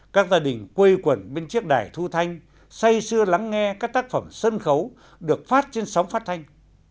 các gia đình quây quần bên chiếc đài thu thanh say xưa lắng nghe các tác phẩm sân khấu được phát trên sóng phát thanh